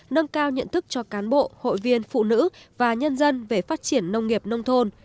nâng cao nhận thức cho cán bộ hội viên phụ nữ và nhân dân về phát triển nông nghiệp nông thôn